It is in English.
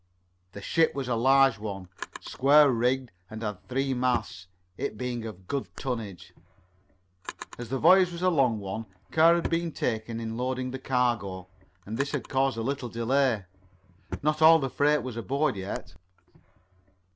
The ship was a large one, square rigged, and had three masts, it being of good tonnage. As the voyage was a long one great care had to be taken in loading the cargo, and this had caused a little delay. Not all the freight was aboard yet.